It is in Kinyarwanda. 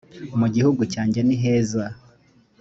mu gihugu cyanjye niheza